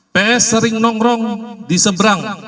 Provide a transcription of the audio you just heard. ps sering nongkrong di seberang